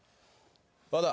和田。